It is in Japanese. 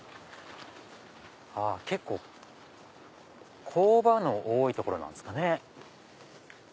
結構こうばの多い所なんですかね。